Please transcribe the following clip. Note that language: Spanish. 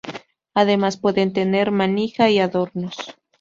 Además puede tener manija y adornos.